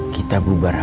kita boleh berpikirkan